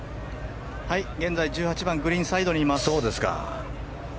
現在１８番グリーンサイドにいます。